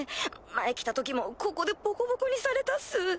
前来た時もここでボコボコにされたっす。